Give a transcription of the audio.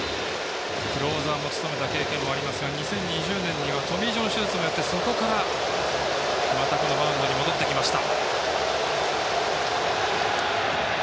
クローザーも務めた経験がありますが２０２０年にはトミー・ジョン手術をやってそこからまたこのマウンドに戻ってきました。